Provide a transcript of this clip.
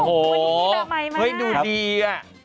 โอ้โหดูดีอ่ะ